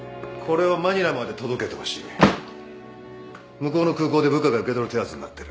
向こうの空港で部下が受け取る手はずになってる。